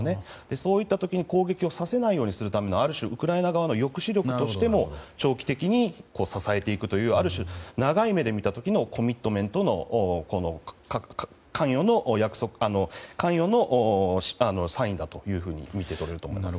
そういった時に攻撃させないようにするためのある種ウクライナ側の抑止力としても長期的に支えていくというある種、長い目で見た時のコミットメントの関与のサインだとみていると思います。